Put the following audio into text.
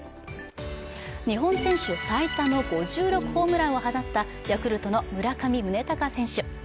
日本選手最多の５６ホームランを放ったヤクルトの村上宗隆選手。